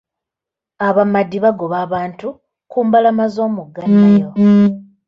Abamadi baagoba abantu ku mbalama z'omugga Nile.